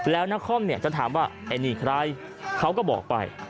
แล้วนครเนี่ยจะถามว่าไอ้นี่ใครเขาก็บอกไป